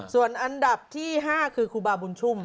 ส่วนอันดับที่๕คือครูบาบุญชุ่ม